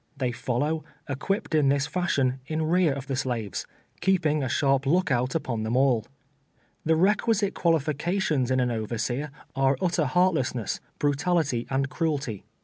Tliey follow, ecj[uipj)ed in this fashion, in rear of the slaves, keeping a sharp lookout 224 TWELVE YEARS A SLAVE. upon them all. llic requisite qnaliiications in an ovei'seer are utter lieartlessness, brutality and cruelty.